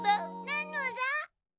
なのだ。